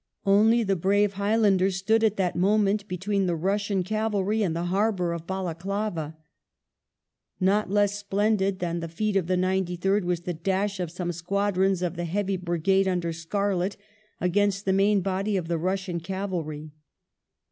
Only the brave Highlanders stood at that moment between the Russian cavalry and the harbour of Balaclava. Not less splendid than the feat of the 93rd was the dash of some squadrons of the Heavy Brigade under Scarlett against the main body of the Russian cavalry.